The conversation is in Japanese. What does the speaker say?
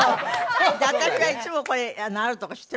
私がいつもこれあるとこ知ってましたから。